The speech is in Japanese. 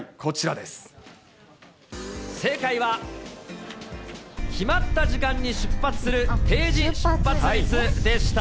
正解は、決まった時間に出発する定時出発率でした。